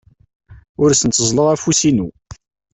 Ur asen-tteẓẓleɣ afus-inu.